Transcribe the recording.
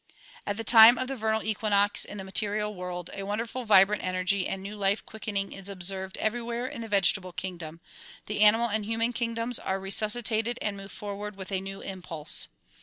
At the time of the vernal equinox in the material world a won derful vibrant energy and new life quickening is observed every where in the vegetable kingdom ; the animal and human kingdoms are resuscitated and move forward with a new impulse.